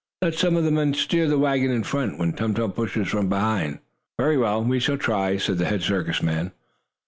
Let some of the men steer the wagon in front, when Tum Tum pushes from behind." "Very well, we shall try," said the head circus man.